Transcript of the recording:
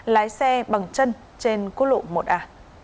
lái xe bằng chân trên cốt lộ một a